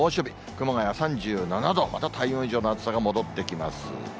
熊谷３７度、また体温以上の暑さが戻ってきます。